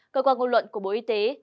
cơ quan ngôn luận của bộ y tế